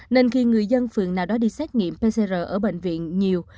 nên khi người dân phường nào đó đi xét nghiệm pcr ở bệnh viện nhiều